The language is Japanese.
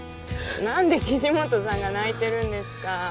何で岸本さんが泣いてるんですか？